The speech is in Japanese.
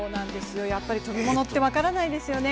やっぱり跳びものって分からないですよね。